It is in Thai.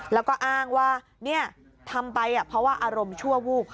แล้วก็อ้างว่าทำไปเพราะว่าอารมณ์ชั่ววูบ